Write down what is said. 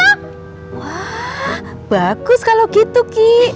wah bagus kalau gitu ki